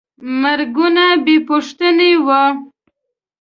مرګونه بېپوښتنې وو.